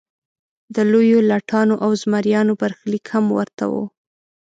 د لویو لټانو او زمریانو برخلیک هم ورته و.